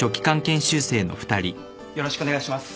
よろしくお願いします。